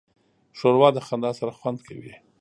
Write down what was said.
ښوروا د خندا سره خوند کوي.